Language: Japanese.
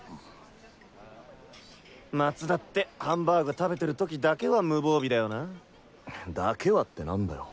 松田ってハンバーグ食べてる時だけは無防備だよなぁ。だけはって何だよ。